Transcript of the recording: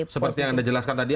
seperti yang anda jelaskan tadi